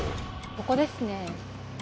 ここですね。